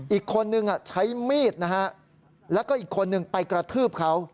อีกคนนึงใช้มีดและอีกคนนึงไปกระทืบเขา